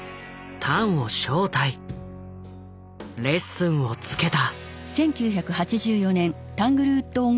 レッスンをつけた。